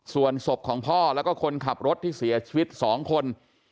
ส่วนศพของพ่อแล้วก็คนขับรถที่เสียชีวิต๒คน